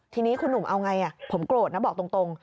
ทีนี้คุณหนุ่มเอาไงผมโกรธนะบอกตรง